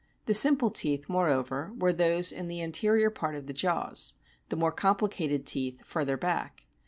The simple teeth, moreover, were those in the anterior part of the jaws, the more complicated teeth further back.